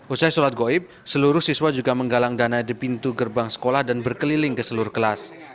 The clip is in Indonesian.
usai sholat goib seluruh siswa juga menggalang dana di pintu gerbang sekolah dan berkeliling ke seluruh kelas